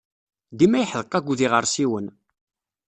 Dima yeḥdeq akked yiɣersiwen.